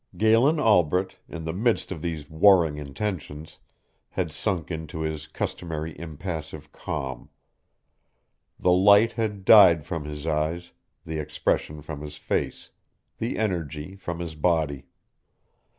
Galen Albret, in the midst of these warring intentions, had sunk into his customary impassive calm. The light had died from his eyes, the expression from his face, the energy from his body.